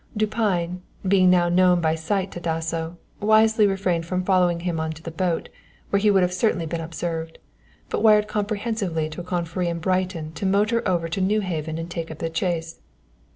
_ "_Dupine, being now known by sight to Dasso, wisely refrained from following him on to the boat, where he would have certainly been observed, but wired comprehensively to a confrere in Brighton to motor over to Newhaven and take up the chase.